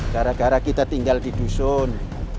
gara gara kita tinggal di dusun